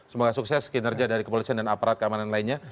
semoga sukses kinerja dari kepolisian dan aparat keamanan lainnya